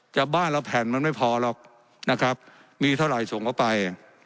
บ้านเราแผ่นมันไม่พอหรอกนะครับมีเท่าไหร่ส่งเข้าไป